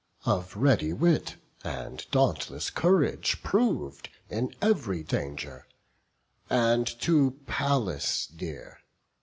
Of ready wit, and dauntless courage, prov'd In ev'ry danger; and to Pallas dear.